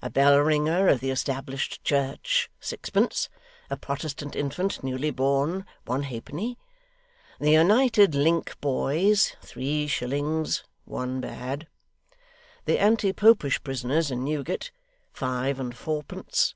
A bell ringer of the established church, sixpence. A Protestant infant, newly born, one halfpenny. The United Link Boys, three shillings one bad. The anti popish prisoners in Newgate, five and fourpence.